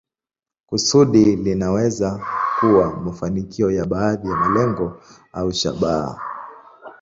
Kusudi linaweza kuwa mafanikio ya baadhi ya malengo au shabaha.